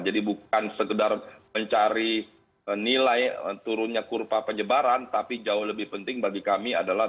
jadi bukan sekedar mencari nilai turunnya kurva penyebaran tapi jauh lebih penting bagi kami adalah